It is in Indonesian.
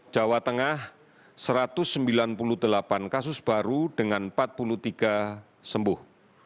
jawa tengah satu ratus sembilan puluh delapan kasus baru dengan empat puluh tiga sembuh